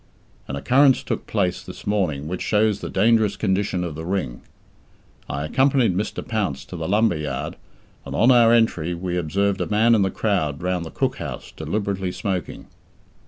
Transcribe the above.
An occurrence took place this morning which shows the dangerous condition of the Ring. I accompanied Mr. Pounce to the Lumber Yard, and, on our entry, we observed a man in the crowd round the cook house deliberately smoking.